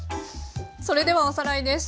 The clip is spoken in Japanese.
それではおさらいです。